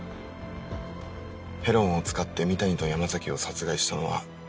ヘロンを使って三谷と山崎を殺害したのは